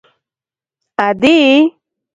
_ادې!!!